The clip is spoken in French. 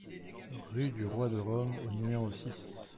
Rue du Roi de Rome au numéro six